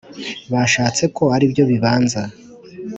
bashatse ko ari byo bibanza